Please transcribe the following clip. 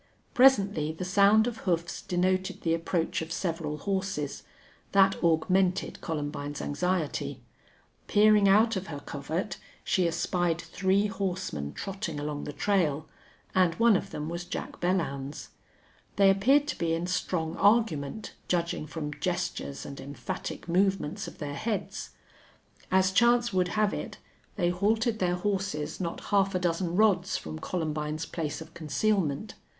Presently the sound of hoofs denoted the approach of several horses. That augmented Columbine's anxiety. Peering out of her covert, she espied three horsemen trotting along the trail, and one of them was Jack Belllounds. They appeared to be in strong argument, judging from gestures and emphatic movements of their heads. As chance would have it they halted their horses not half a dozen rods from Columbine's place of concealment.